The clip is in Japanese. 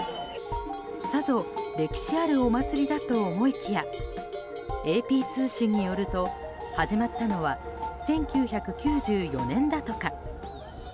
さぞ歴史あるお祭りだと思いきやＡＰ通信によると、始まったのは１９９４年だとか。